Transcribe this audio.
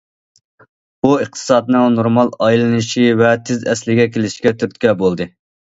بۇ ئىقتىسادنىڭ نورمال ئايلىنىشى ۋە تېز ئەسلىگە كېلىشىگە تۈرتكە بولدى.